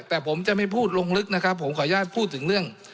แต่ผมจะไม่พูดลงลึกนะครับผมขออนุญาตพูดถึงเรื่อง